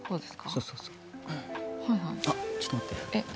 そうそうそうはいはいあっちょっと待ってえっ